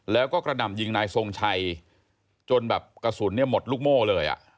แล้วก็กระนำยิงนายทรงชัยจนกระสุนหมดลูกโม่เลย